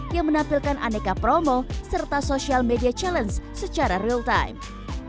yang menampilkan aneka promo serta social media challenge secara real time